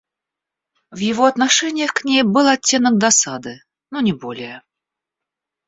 В его отношениях к ней был оттенок досады, но не более.